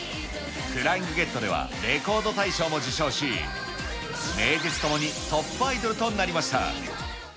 フライングゲットではレコード大賞も受賞し、名実ともにトップアイドルとなりました。